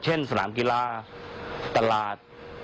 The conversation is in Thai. เช่นสถานกีฬาสถานกีฬาตลาด